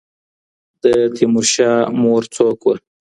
د تیمور شاه مور څوک وه؟